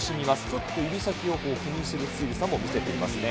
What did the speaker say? ちょっと指先を気にするしぐさも見せていますね。